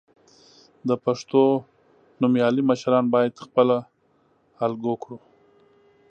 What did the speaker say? د پښتو نومیالي مشران باید خپله الګو کړو.